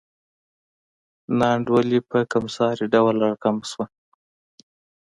نا انډولي په کمسارې ډول راکمه شوه.